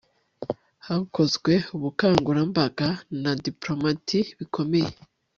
hakozwe ubukangurambaga na diplomatie bikomeye